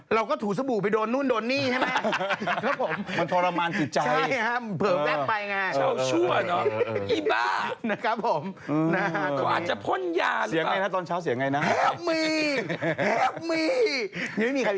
แฮปมี่แฮปมี่ยังไม่มีใครช่วยเลยครับ